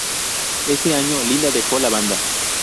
Ese año Linda dejó la banda.